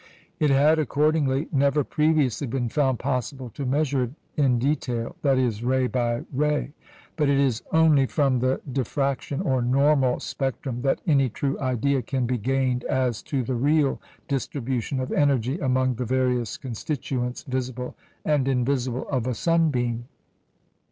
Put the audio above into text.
It had, accordingly, never previously been found possible to measure it in detail that is, ray by ray. But it is only from the diffraction, or normal spectrum that any true idea can be gained as to the real distribution of energy among the various constituents, visible and invisible, of a sunbeam.